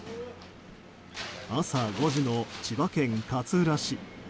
朝５時の千葉県勝浦市。